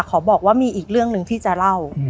ขอบอกว่ามีอีกเรื่องหนึ่งที่จะเล่า